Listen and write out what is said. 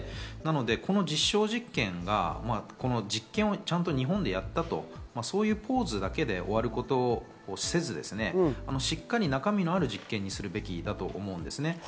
この実証実験が日本でやったと、そういうポーズだけで終わることをせず、中身のある実験にするべきだと思うんですね。